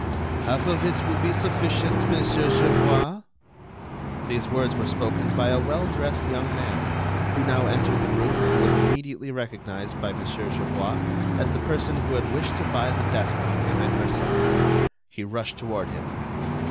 "Half of it will be sufficient, Monsieur Gerbois." These words were spoken by a well dressed young man who now entered the room and was immediately recognized by Mon. Gerbois as the person who had wished to buy the desk from him at Versailles. He rushed toward him.